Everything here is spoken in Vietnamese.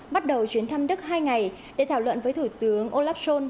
bắt đầu chuyến thăm đức hai ngày để thảo luận với thủ tướng olaf schol